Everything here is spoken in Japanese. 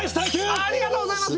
ありがとうございます。